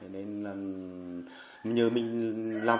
nên nhờ mình làm